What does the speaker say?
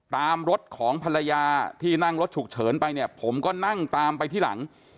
ตามรถของภรรยาที่นั่งรถฉุกเฉินไปเนี่ยผมก็นั่งตามไปที่หลัง